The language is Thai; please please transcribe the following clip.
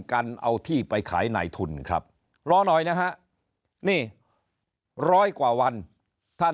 กันเอาที่ไปขายในทุนครับรอหน่อยนะฮะนี่ร้อยกว่าวันท่าน